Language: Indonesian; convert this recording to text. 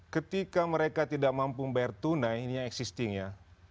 ketika mereka tidak mampu membayar tunai ini yang existing ya